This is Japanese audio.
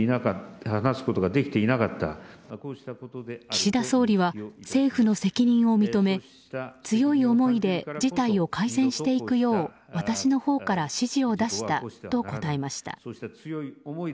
岸田総理は政府の責任を認め強い思いで事態を改善していくよう私のほうから指示を出したと答えました。